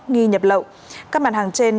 nghi nhập lộ các mặt hàng trên